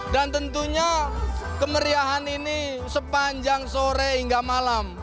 dan tentunya kemeriahan ini sepanjang sore hingga malam